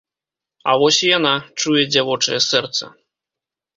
А вось і яна, чуе дзявочае сэрца.